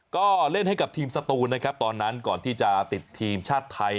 ก็เล่นให้กับทีมสตูนนะครับตอนนั้นก่อนที่จะติดทีมชาติไทย